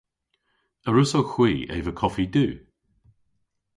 A wrussowgh hwi eva koffi du?